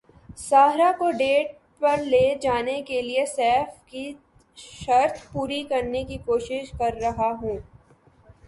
سارہ کو ڈیٹ پر لے جانے کیلئے سیف کی شرط پوری کرنے کی کوشش کررہا ہوں